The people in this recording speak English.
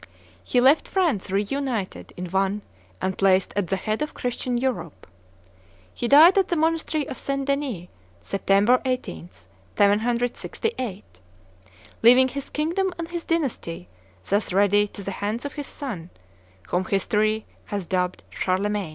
He left France reunited in one and placed at the head of Christian Europe. He died at the monastery of St. Denis, September 18, 768, leaving his kingdom and his dynasty thus ready to the hands of his son, whom history has dubbed Charlemagne.